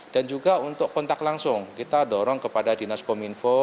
dan juga untuk kontak langsung kita dorong kepada dinas kominfo